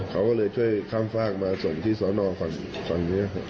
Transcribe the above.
เขาก็เลยช่วยข้ามฝากมาส่งที่สอนอฝั่งนี้